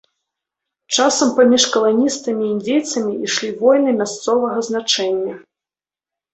Часам паміж каланістамі і індзейцамі ішлі войны мясцовага значэння.